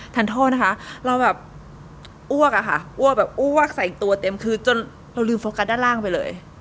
โทษนะคะเราแบบอ้วกอะค่ะอ้วกแบบอ้วกใส่ตัวเต็มคือจนเราลืมโฟกัสด้านล่างไปเลย